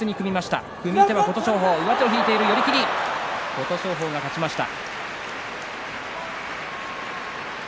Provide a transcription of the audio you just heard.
琴勝峰が勝ちました。